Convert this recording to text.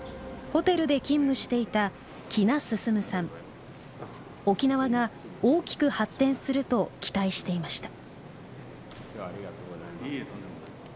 ホテルで勤務していた沖縄が大きく発展すると期待していました。